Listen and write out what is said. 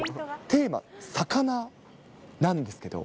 テーマ、魚なんですけど。